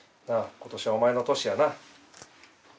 ことしはお前の年やな。